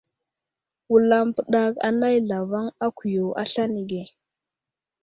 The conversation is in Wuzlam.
Wulampəɗak anay zlavaŋ a kuyo aslane ge.